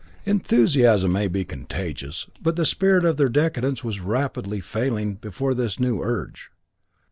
Enthusiasm may be contagious, but the spirit of their decadence was rapidly failing before this new urge.